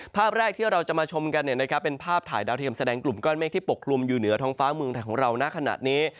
ภาพแรกที่เราจะมาชมกันเป็นภาพถ่ายดาวเทียมแสดงกลุ่มก้อนเมฆที่ปกลุ่มอยู่เหนือท้องฟ้าเมืองไทยของเราณขณะนี้